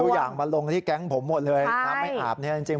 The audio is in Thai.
อย่างมาลงที่แก๊งผมหมดเลยน้ำไม่อาบเนี่ยจริง